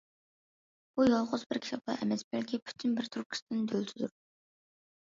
بۇ يالغۇز بىر كىتابلا ئەمەس، بەلكى پۈتۈن بىر تۈركىستان دۆلىتىدۇر.